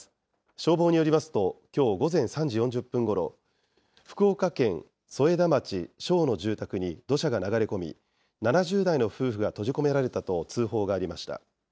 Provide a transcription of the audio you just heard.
消防によりますと、きょう午前３時４０分ごろ、福岡県添田町庄の住宅に土砂が流れ込み、７０代の夫婦が閉じ込められたと通報がありました。